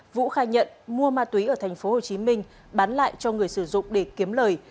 vũ khai nhận mua ma túy ở tp hồ chí minh bán lại cho người sử dụng để kiếm lời